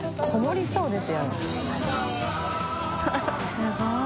すごい。